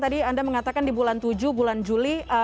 tadi anda mengatakan di bulan tujuh bulan juli